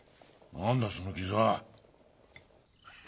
何だその傷は。